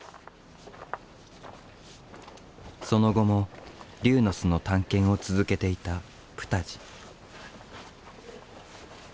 その後も龍の巣の探検を続けていたプタジ。